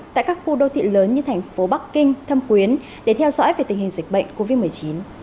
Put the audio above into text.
tại các khu đô thị lớn như thành phố bắc kinh thâm quyến để theo dõi về tình hình dịch bệnh covid một mươi chín